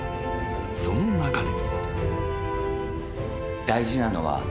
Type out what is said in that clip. ［その中で］